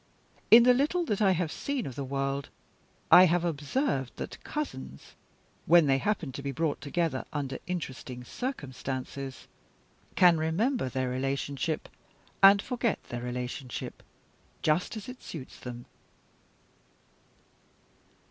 In the little that I have seen of the world, I have observed that cousins when they happen to be brought together under interesting circumstances can remember their relationship, and forget their relationship, just as it suits them.